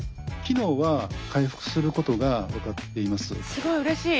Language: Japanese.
すごいうれしい。